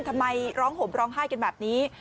ทำไมร้องห่มร้องไห้กันแบบนี้